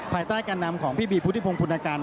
ภายใต้การนำของพี่บีบุฏิพลพุทธกัล